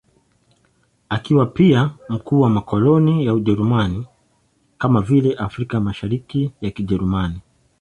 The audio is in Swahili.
Akiwa pia mkuu wa makoloni ya Ujerumani, kama vile Afrika ya Mashariki ya Kijerumani.